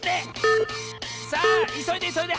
さあいそいでいそいで！